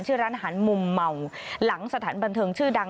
ชื่อร้านอาหารมุมเมาหลังสถานบันเทิงชื่อดัง